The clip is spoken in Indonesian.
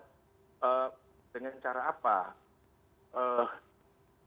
cara memberikan penilai nilai pancasila